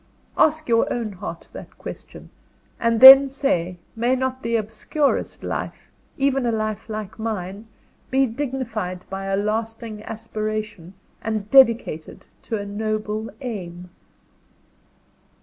Ask your own heart that question and then say, may not the obscurest life even a life like mine be dignified by a lasting aspiration, and dedicated to a noble aim?